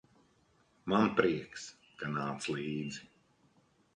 Man prieks, ka nāc līdzi.